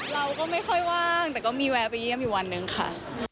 เราก็ไม่ค่อยว่างแต่ก็มีแวะไปเยี่ยมอยู่วันหนึ่งค่ะ